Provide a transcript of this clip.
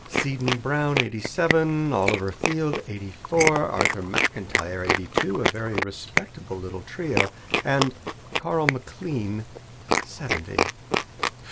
'Seddon Brown, eighty seven; Oliver Field, eighty four; Arthur McIntyre, eighty two' a very respectable little trio. And 'Carl McLean, seventy.'